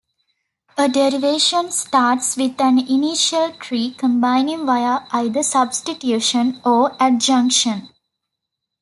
A derivation starts with an initial tree, combining via either "substitution" or "adjunction".